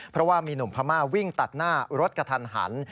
เพราะว่ามีหนุ่มพม่าวิ่งตัดหน้ารถกระทันหัน